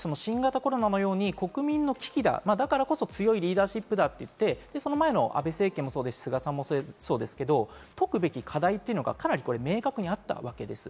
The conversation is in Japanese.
新型コロナのように国民の危機だ、だからこそ強いリーダーシップだといって、その前の安倍政権もそうですし、菅さんもそうですけど、トップの課題というのは明確だったわけです。